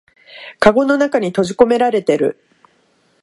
かごの中に閉じこめられてる